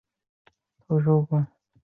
傅怡的最高职务是浙江省军区司令员。